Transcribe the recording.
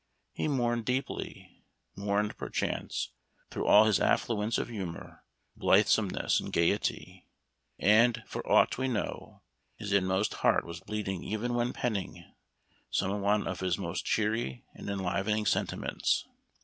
He mourned deeply — mourned, perchance, through all his affluence of humor, blithesomeness, and gayety, and, for aught we know, his inmost heart was bleeding even when penning some one of his most cheery and enlivening sentiments.